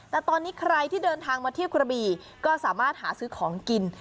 แต่ตอนนี้ใครที่เดินทางมาเที่ยวกระบี่ก็สามารถหาซื้อของกิน